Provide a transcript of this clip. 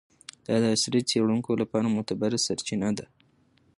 دا د عصري څیړونکو لپاره معتبره سرچینه ده.